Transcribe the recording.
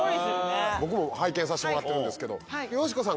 僕も拝見させてもらってるんですけど。